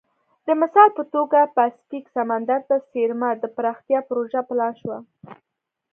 د مثال په توګه پاسفیک سمندر ته څېرمه د پراختیا پروژه پلان شوه.